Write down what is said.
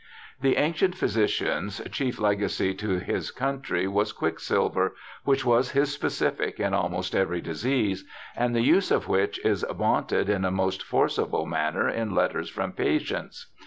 The ' Ancient Physician's ' chief legacy to his country was quicksilver, which was his specific in almost every disease, and the use of which is vaunted in a most forcible manner in letters from patients.